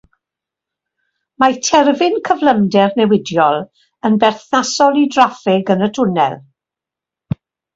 Mae terfyn cyflymder newidiol yn berthnasol i draffig yn y twnnel.